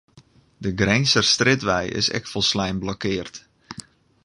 De Grinzerstrjitwei is ek folslein blokkeard.